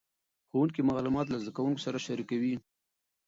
ښوونکي معلومات له زده کوونکو سره شریکوي.